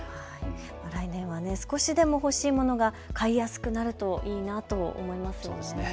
来年は少しでも欲しいものが買いやすくなるといいなと思います。